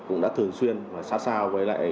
cũng đã thường xuyên và xa xao với lại